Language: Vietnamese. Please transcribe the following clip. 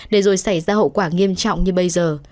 để rồi xảy ra hậu quả nghiêm trọng như bây giờ